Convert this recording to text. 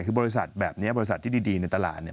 คือบริษัทแบบนี้บริษัทที่ดีในตลาดเนี่ย